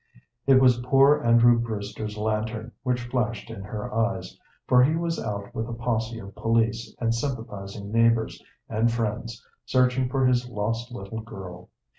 It was poor Andrew Brewster's lantern which flashed in her eyes, for he was out with a posse of police and sympathizing neighbors and friends searching for his lost little girl.